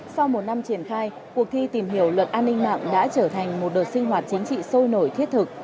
sau một năm triển khai cuộc thi tìm hiểu luật an ninh mạng đã trở thành một đợt sinh hoạt chính trị sôi nổi thiết thực